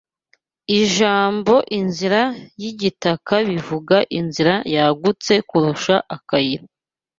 Ijambo inzira y'igitaka bivuga inzira yagutse kurusha akayira